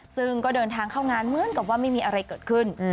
ซึ่งก็เดินทางเข้างานเหมือนกับว่าไม่มีอะไรเกิดขึ้น